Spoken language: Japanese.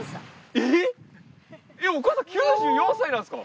えっお母さん９４歳なんですか！？